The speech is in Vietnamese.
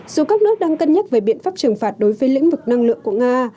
dù các nước đang cân nhắc về biện pháp trừng phạt đối với lĩnh vực năng lượng của nga